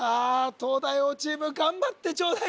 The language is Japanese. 東大王チーム頑張ってちょうだい